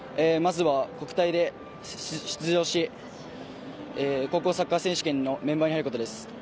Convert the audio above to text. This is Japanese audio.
まずは国体に出場し、高校サッカー選手権のメンバーに入ることです。